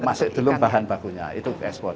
masuk dulu bahan bakunya itu ekspor